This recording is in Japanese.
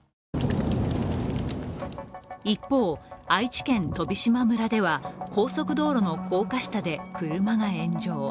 一方、愛知県飛島村では高速道路の高架下で車が炎上。